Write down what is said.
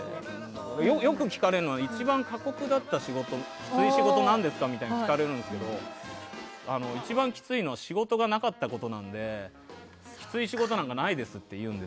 よく聞かれるのが一番きつい仕事なんですかって聞かれるんですけど一番きついのは仕事がなかったことなのできつい仕事なんかないです。